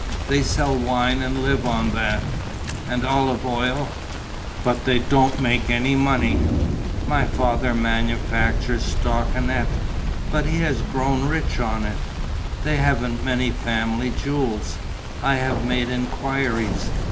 They sell wine and live on that. And olive oil; but they don't make any money. My father manufactures stockinet; but he has grown rich on it. They haven't many family jewels. I have made enquiries....